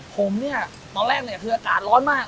ผมเนี่ยตอนแรกเนี่ยคืออากาศร้อนมาก